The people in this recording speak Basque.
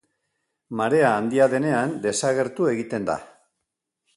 Marea handia denean, desagertu egiten da.